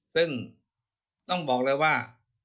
ซึ่งต้องบอกเลยว่า